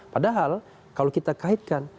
padahal kalau kita kaitkan